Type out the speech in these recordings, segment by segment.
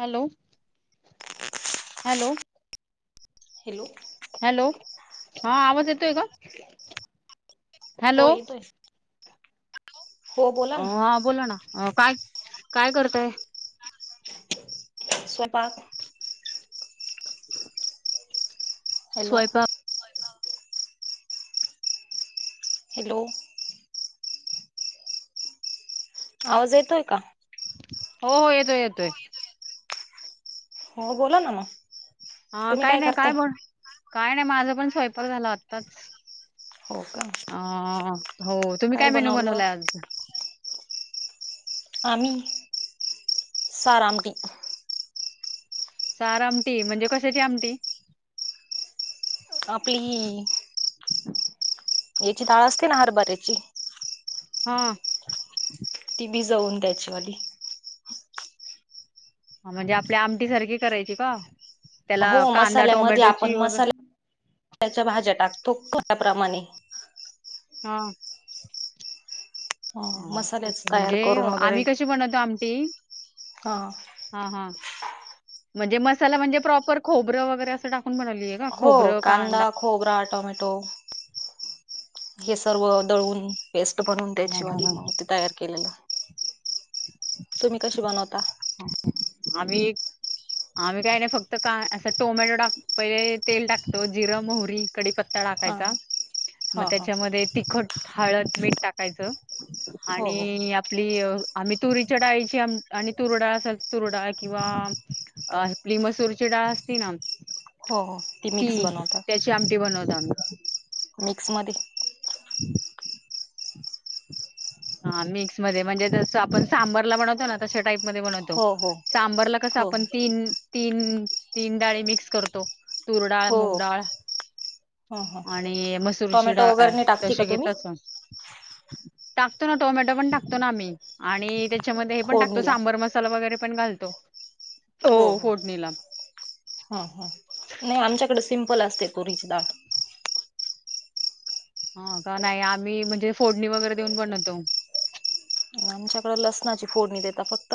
Hello hello! Hello? Hello हा आवाज येतोय का? हो हॅलो! येतोय हो बोला अ हा ना बोला, ना काय काय करताय? स्वयंपाक [unintelligible] हॅलो स्वयंपाक हॅलो! आवाज येतोय का? हो, हो, येतोय येतोय. हो, बोला ना ना. हा काय नाही, काय बोल काय नाही? माझा पण स्वयंपाक झाला आत्ताचं. हो का अ हो, तुम्ही काय मेन्यू बनवला आज? आम्ही सारआमटी. सार आमटी म्हणजे कशाची आमटी? आपली [inaudible] याची डाळ असते, ना हरभऱ्याची. हा. ती भिजवून त्याचीवाली. हा म्हणजे आपल्या आमटी सारखी करायची का? त्याला हो कांदा मसाल्यामध्ये टोमॅटोची आपण वगैरे मसाल्याच्या... भाज्या टाकतो. तो [unintelligible] का प्रमाणे. हां हो मसाल्याच तयार म्हणजे करून वगैरे आम्ही कशी बनवतो आमटी. हा हा हा म्हणजे मसाला म्हणजे प्रॉपर खोबरं वगैरे असं टाक हो कांदा खोबरा टोमॅटो. हे सर्व दळून पेस्ट बनून हा त्याची हा वाली हा मग ते तयार केलेलं. तुम्ही कशी बनवता? आम्ही. आम्ही काही नाही फक्त का असं टोमॅटो टाक पहिले तेल टाकतो जिरं मोहरी कडीपत्ता हा टाकायचा मग हा हा त्याच्यामध्ये तिखट हळद मीठ टाकायचं हो हो आणि आपली आम्ही तुरीच्या डाळीची आणि तुरडाळ असल तूर डाळ किंवा आपली मसूरची डाळ असती ना. हो हो मिक्स ती बनवता त्याची आमटी बनवतो आम्ही. मिक्स मधे हा मिक्स मध्ये म्हणजे, जसं आपण सांबरला बनवतो. ना तशा टाईप मधे बनवतो. हो हो सांबरला कस हो आपण तीन तीन तीन डाळी मिक्स करतो तूर डाळ हो मुगडाळ. ह ह आणि मसूरची टोमॅटो डाळ वगैरे नाही टाकते का तसे तुम्ही घेतच. टाकतो ना टोमॅटो पण टाकतो ना आम्ही आणि त्याच्यामध्ये हे पण टाकतो फोडणीला सांबर मसाला वगैरे पण पण घालतो. हो हो हां हां नाही आमच्याकडे सिंपल असते तुरीची डाळ. हा का नाही आम्ही म्हणजे फोडणी वगैरे देऊन बनवतो. आमच्याकडें लसणाची फोडणी देता फक्त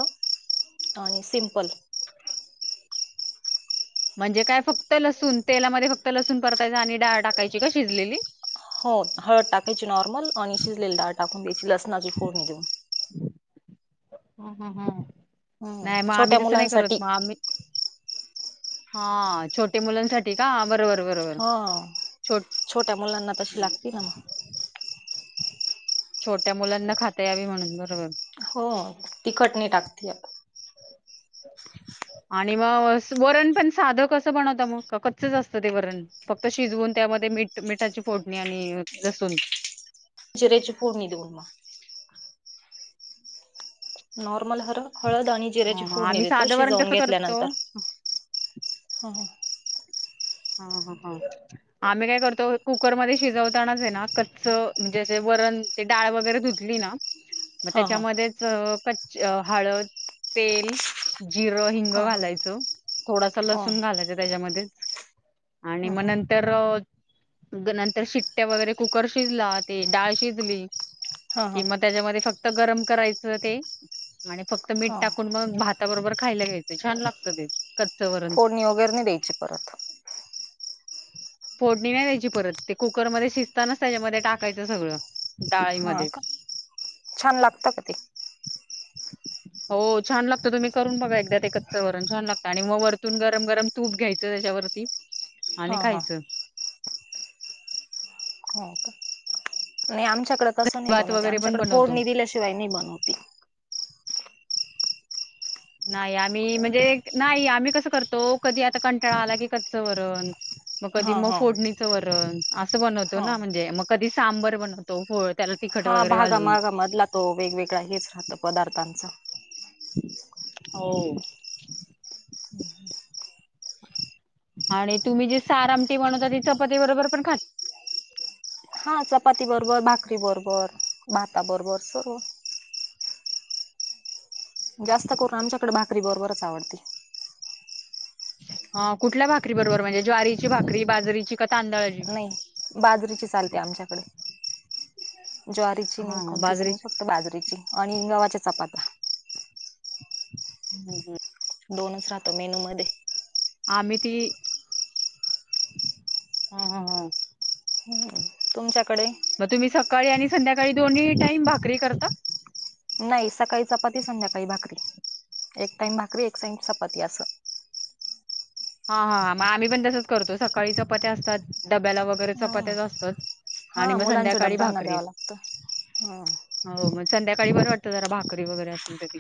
आणि सिंपल. म्हणजे काय फक्त लसूण तेलामध्ये फक्त लसूण परतायच आणि डाळ टाकायची का शिजलेली? हो हळद टाकायची नॉर्मल आणि शिजलेली डाळ टाकून द्यायची लसणाची फोडणी देऊन. हं हं हं हम्म नाही मग आम्ही छोट्या तसं नाही करत मुलांसाठी मग आम्ही हा छोटे मुलांसाठी का बरोबर बरोबर हो छोट छोट्या मुलांना तशी लागती ना म. छोट्या मुलांना खाता यावी म्हणून बरोबर. हो तिखट नाही टाकती [inaudible] आणि मग वरण पण साधं कस बनवता मग का कच्चच असतं ते वरण फक्त शिजवून त्यामध्ये मिठाची फोडणी आणि लसून. जिरे ची फोडणी देऊनम नॉर्मल ह हळद आणि ह जिऱ्याची ह फोडणी आम्ही देतो साधं वरण शिजवून कसं करतो घेतल्यानंतर. हा ह ह ह आम्ही काय करतो कुकरमध्ये शिजवतानाच आहे ना कच्च म्हणजे जे कारण ते डाळ वगैरे धुतली ना. मग ह ह त्याच्यामध्येच कच्ची हळद तेल जिरं हिंग ह घालायचं थोडासा ह लसूण घालायचं त्याच्यामध्ये. आणि म ह नंतर नंतर शिट्ट्या वगैरे कुकर शिजला ते डाळ शिजली ह कि ह मग त्याच्यामध्ये फक्त गरम करायचं ते आणि फक्त मीठ ह टाकून मग भात ति बरोबर खायला घ्यायचं छान लागतं ते कच्च वरण फोडणी वगैरे नाही द्यायची परत फोडणी नाही त्यायची परत ते कुकरमध्ये शिजतानाच त्याच्यामध्ये टाकायचं सगळं हा डाळीमध्ये का छान लागतं का ते हो छान लागतं तुम्ही करून बघा एकदा एकच वरून छान लागतं आणि मग वरतून गरम गरम तूप घ्यायच. त्याच्यावरती हा आणि हा खायचं. ह म आम आच्याकडे तसं नाही भात बनवते वगैरे पण आमच्याकडे बनवतो फोडणी दिल्याशिवाय नाही बनवते. नाही आम्ही म्हणजे नाही आम्ही कसं करतो कधी आता कंटाळा आला की कच्च वरण मग कधी हा मग हा फोडणीचं वरण असं बनवतो हा ना म्हणजे मग कधी सांबर बनवतो फळ हा भागामागामधला तो वेगवेगळा हेच राहतं पदार्थांच हो. आणि तुम्ही जे सार आमटी म्हणवता ती चपाती बरोबर पण खात. हा चपाती बरोबर भाकरी बरोबर भाता बरोबर सर्व जास्त करून आमच्याकडे भाकरी बरोबरच आवडते. ह कुठल्या भाकरी बरोबर म्हणजे ज्वारीची भाकरी बाजरीची क नाही बाजरीची चालते आमच्याकडे ज्वारीची नाही हा कोणतीच नाही बाजरीची फक्त बाजरीची आणि गव्हाच्या चपाता हम्म हम्. दोनच राहतो मेनू मध्ये आम्ही ती हा हा हा ह् तुमच्या मग तुम्ही सकाळी आणि संध्याकाळी दोन्ही टाईम भाकरी करता नाही स काही चपाती संध्याकाळी भाकरी एक टाइम भाकरी एक साइम चपाती अस. हा हा मग आम्ही पण तसच करतो सकाळी चपथ्या असतात. डब्याला वगैरे हा चपात्याच असतात आणि मग संध्याकाळी भाकरी ह. हो मग संध्याकाळी बरं वाटतं जरा भाकरी वगैरे असेल तर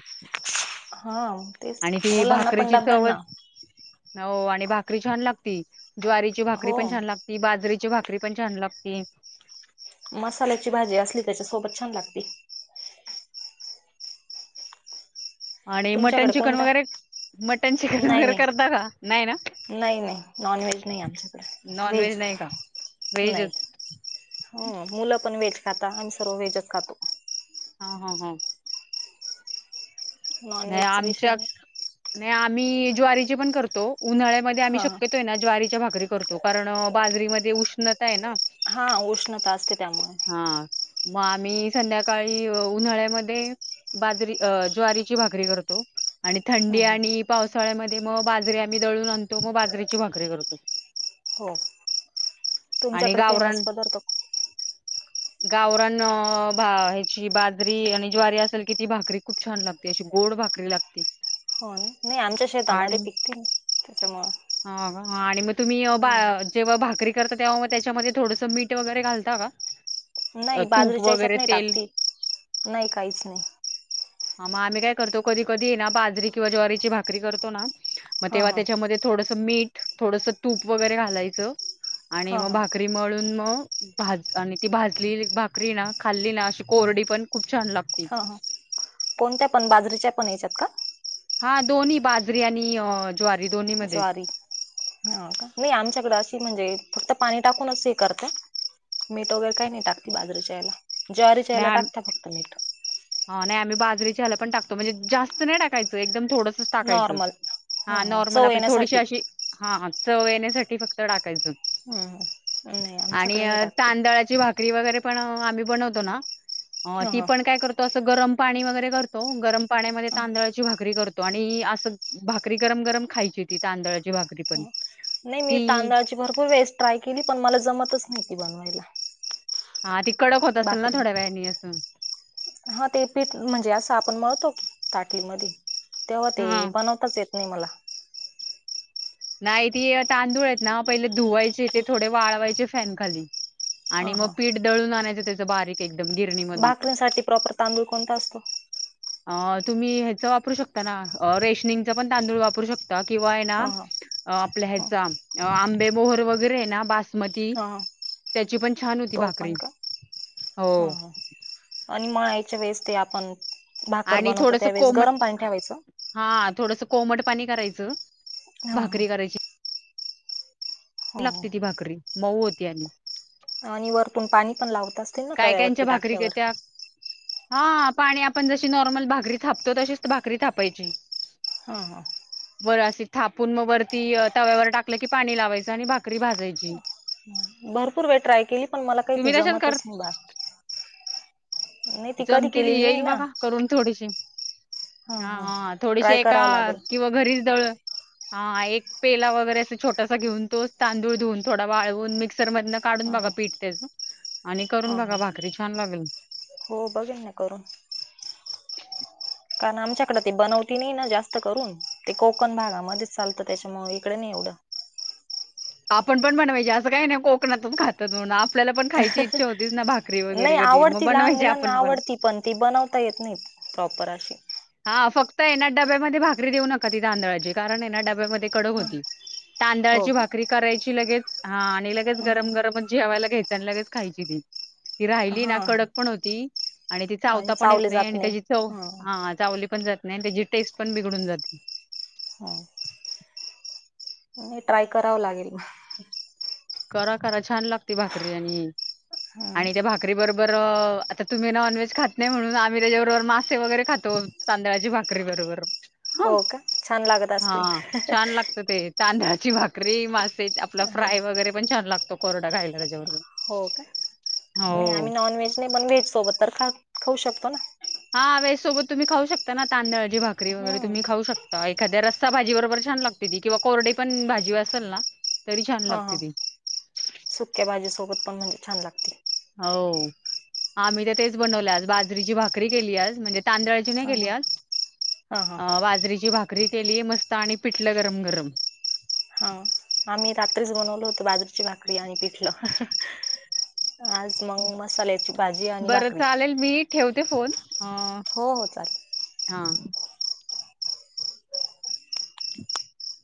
हा तेच आणि ती मुलांना भाकरीची चवच पंडाप्यांना हो आणि भाकरी छान लागती ज्वारीची भाकरी हो पण छान लागती बाजरीची भाकरी भाकरी पण छान लागते. मसाल्याची भाजी असली त्याच्या सोबत छान लागती. आणि मटन तुमच्याकडे चिकन कोणता वगैरे मटन चिकन नाही वगैरे नाही करता का नाही ना. नाही नाही नॉन व्हेज नाही आमच्याकडे व्हेज नाही वेजच हो मुलं पण व्हेज खाता आणि् सर्व व्हेजच खातो. हा हा हा. नॉन नाही व्हेजचा विषय आमच्या नाही आ. आम्ही ज्वारी पण करतो उन्हा्यामध्ये आम्ही हा शक्यतोय ना ज्वारी भा करतो कारण बाजरीमध्ये उष्णता आहे ना. हा उष्णता असते त्यामुळे हा मग आम्ही संध्याकाळी उन्हाळ्यामध्ये बादरी ज्वारी भाकरी करतो आणि थंडी हम्म. आणि पावसाळ्यामध्ये मग बाजरी आम्ही दळून आणतो मग बाजरेची भाकरी करतो. हो आणि तुमच्याकडे फेमस गावरान पदार्थ गावरान ह्याची बाजरी आणि ज्वारी असेल कि ती भाकरी खूप छान लागते. अशी गोड भाकरी लागते. हो नाही आमच्या शतामध्ये पिकतील त्याच्यामुळं. हो आणि मग तुम्ही बा हम्म जेव्हा भाग बकरी करता तेव्हा मग त्याच्यामध्ये थोडस मीठ वगैरे घालता का? अ, नाही तूप बाजरीच्या हच्यात वगैरे नाही तेल टाकतील नाही काहीच नाही. ह मग आम्ही काय करतो कधी कधी ये ना बाजरी किंवा ज्वारीची भाकरी करतो ना. मग हा तेव्हा हा त्याच्यामध्ये थोडस मीठ थोडस तूप वगैरे घालायचं. आणि हा मग हा भाकरी मळून मग भाज आणि ती भाजली भाकरी ना. खाल्ली ना अशी हा कोरडी पण खूप छान लागती. हा हा कोणत्या पण बाजरीच्या पण यायच्यात का हा दोन्ही बाजरी आणि ज्वारी दोन्ही मध्ये ज्वारी ह नाही आमच्याकडे अशी म्हणजे फक्त पाणी टाकूनच हे करत मीठ वगैरे काही नाही टाकते बाजरीच्या याला ज्वारीच्या नाही यायला आम- टाकता फक्त मी त हा नाही आम्ही बाजरीच्या ह्याला पण टकतो म्हणजे जास्त नाही टाकायचं एकदम थोडं टा नॉर्मल ह हा ह नॉर्मल चव आप थोडी येण्यासाठी अ हा चवयण्यासाठी फक्त टाकायचं हं, हं. नाही आणि आमच्याकडे नाही टाकते तांदळाची भाकरी वगैरे आम्ही बनतो ना त ह पणय करतो असं गरम पाणी वगैरे करतो गरम पाण्यामध्ये ह तांदळाची भाकरी करतो आणि असं भाकरी गरम गरम खायची ती तांदळाची भाकरी पण नाही मी ती तांदळाची भरपूर वेळेस ट्राय केली पण मला जमतच नव्हती बनवायला हा ती कडक होत असेल ना भाकरी थोड्या वेळाने असून हा ते पीठ म्हणजे असं आपण मळतो की ताटलीमध्ये तेव्हा ते हा बनवताच येत नि निर्मला नाही त तांदूळ आहेत ना पहिले धुवायचे ते थोडे वाळवायचे फॅन खाली ह आणि मग ह पीठ दळून आणायचं त्याच बारीक एक भाकरींसाठी प्रॉपर तांदूळ कोणता असतो अ तुम्ही ह्याचं वापरू शकता ना रेशनिंगच पण तांदूळ वापरू शकता किंवा आहे ना ह ह अ आपल्या ह ह्याचा आंबे बोहर वगैरे ना ब मती ह त्याची पण छान होती तो पण भाकरी का हो ह ह आणि मळायच्या वेळेस ते आपण भाकर आणि बनवतो थोडंसं त्यावेेळेस गरम पाणी ठेवायचं थोडस कोमट पाणी करायचं ह ह भाकरी करायची हो हो. लागते ती भाकरी मऊ होती आणि आणि वरतून पाणी पण लावत असतील ना तव्यावरती टाक्यावर हा पाणी आपण जशी नॉर्मल भाकरी थापतो तशीच भाकरी थापायची हा हा बरं अशी थापून मग वरती तव्यावर टाकलं की पाणी लावायचं आणि भाकरी भाजायची भरपूर वेळ ट्राय केली पण मला काही ती तुम्ही तशाच कर जमतच नाही बार कधी जमते त केलेली नाही येईल ना बघा करून थोडीशी हां हा हां हा थोडीशी ट्राय एका करावं लागेल किंवा घरीच दळ हा एक पेला वगैरे अस छोटासा घेन तोच तांदूळ ेऊन थोडा वाळवून मिक्स मसर मधं काढून हां बघा हां पीठ त्याच आणि करून हां बघा हां भाकरी छान लागेल हो बघेन ना करून कारण आमच्याकडे ते बनवती नाही ना जास्त करून ते कोकण भागामध्येच चालतं त्याच्यामु इकडे नाही एवढं आपण पण बनवायज असं काही नाही कोकणातून खातात म्हणून पण खायची इच्छा होतीच ना भाकरी नाही वगैरे कधी मग आवडती लहान बनवायची मुलांना आपण आवडती पण ती बनवता येत नाहीत प्रॉपर अशी ह फक्त येण्या डब्यामध्ये भाकरी देऊ नका ती आांदळाची कारण येना डब्यामध्ये हो हां हो तांदळाची का भाकरी करायची लगेल हा आणि लगेच हां गरम हां गरमच जेवायला घ्यायचं आणि लगेच खायची दिन ती राहिली ना कडक हां पण होती आणि ती चावता पण येत चावले नाही जात आणि त्याची चव हां हा ति पण जात नाही आणि त्याची टेस्ट पण बिघडून जाते हो [unintelligible] ट्राय करावं लागेल म करा करा छान लागते भाकरी आणि हा आणि त्या भाकरी बरोबर बरं आता तुम्ही नॉनव्हेज खात नाही म्हणून आम्ही त्याच्याबरोबर मासे वगैरे खातो तांदळाची भाकरी बरोबर हा हो का छान लागत हा असतील छान लागत ते तांदळा ची भाकरी मासे आपला फ्राय वगैरे पण छान लागतो कोरडा खायला त्याच्याबरोबर हो का नाही हो आम्ही नॉन व्हेज नाही पण व्हेज सोबत तर खा खाऊ शकतो ना हा व्हेज सोबत तुम्ही खाऊ शकता ना तांदळाची भाकरी वगैरे हम्म तुम्ही खाऊ शकता एखाद्या रस्सा भाजी बरोबर छान लागते ती किंवा कोरडे पण भाजी असेल ना तरी छान हा लागते हा ती सुक्या भाजी सोबत पण म्हणजे छान लागते हो आम्ही तर तेच बनवलं आज बाजरीची भाकरी केलीय आज म्हणजे तांदळाची नाही हां केली हां आज हां हां बाजरीची भाक भाकरी केलीय मस्त आणि पिटलं गरम गरम हा आम्ही रात्रीच बनवल होत बाजूची भाकरी आणि पिठलं आज मग मसाल्याची भाजी आणि बरं भाकरी चालेल मी ठेवते फोन अ हो हो चालेल हा [unintelligible]